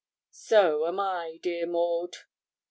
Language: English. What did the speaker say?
'So am I, dear Maud.'